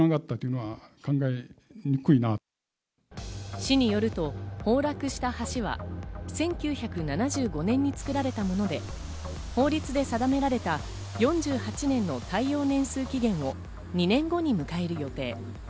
市によると崩落した橋は、１９７５年に造られたもので、法律で定められた４８年の耐用年数期限を２年後に迎える予定。